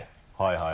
はい。